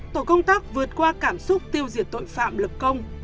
tổ công tác vượt qua cảm xúc tiêu diệt tội phạm lực công